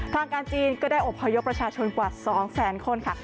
ทางการจีนก็ได้อบพยพประชาชนกว่า๒แสนคนค่ะ